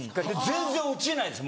全然落ちないです